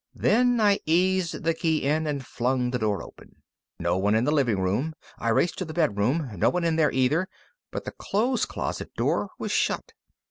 Then I eased the key in and flung the door open. No one in the living room. I raced for the bedroom. No one in there, either, but the clothes closet door was shut.